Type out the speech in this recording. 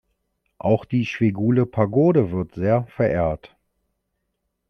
Auch die Schwegule-Pagode wird sehr verehrt.